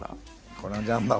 このジャンパー